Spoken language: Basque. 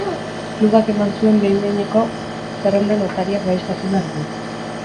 Klubak eman zuen behin behineko zerrenda notariak baieztatu behar du.